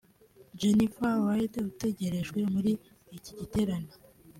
Jennifer Wilde utegerejwe muri iki giterane